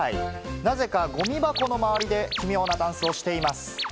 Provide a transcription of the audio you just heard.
なぜかゴミ箱の周りで奇妙なダンスをしています。